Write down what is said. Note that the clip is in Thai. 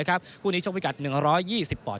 ครับคู่นี้ชกวิกัด๑๒๐ปอด